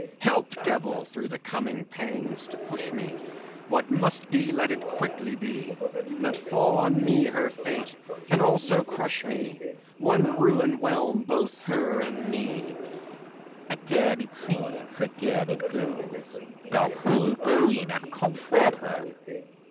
Help, Devil! through the coming pangs to push me; What must be, let it quickly be! Let fall on me her fate, and also crush me, One ruin whelm both her and me! MEPHISTOPHELES Again it seethes, again it glows! Thou fool, go in and comfort her!